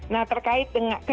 nah terkait dengan